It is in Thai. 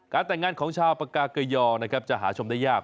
การแต่งงานของชาวปากกากยอจะหาชมได้ยาก